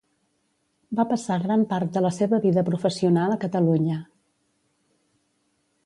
Va passar gran part de la seva vida professional a Catalunya.